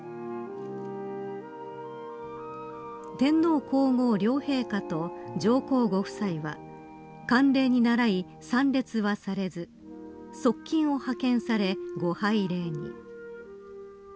天皇皇后両陛下と上皇ご夫妻は、慣例にならい参列はされず側近を派遣され、ご拝礼に。